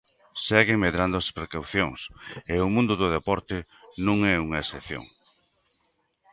Seguen medrando as precaucións, e o mundo do deporte non é unha excepción.